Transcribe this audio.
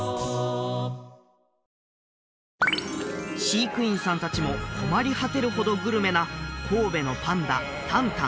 飼育員さん達も困り果てるほどグルメな神戸のパンダ旦